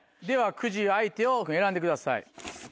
クジ相手を選んでください。